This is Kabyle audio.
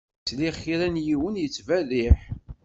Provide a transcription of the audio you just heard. Sliɣ i kra n yiwen yettberriḥ.